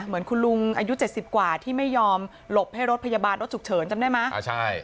เหมือนคุณลุงอายุ๗๐กว่าที่ไม่ยอมหลบให้รถพยาบาลรถฉุกเฉินจำได้ไหม